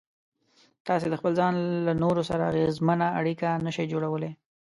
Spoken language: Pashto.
تاسې د خپل ځان له نورو سره اغېزمنه اړيکه نشئ جوړولای.